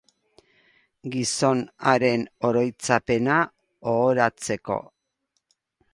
Gizon haren oroitzapena ohoratzeko.